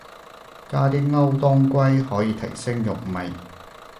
加啲歐當歸可以提升肉味